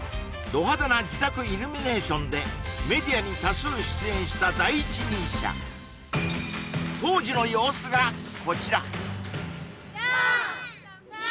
ド派手な自宅イルミネーションでメディアに多数出演した第一人者当時の様子がこちら・４３２１０！